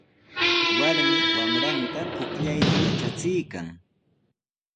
Warmi wamranta puchkayta yatrachiykan.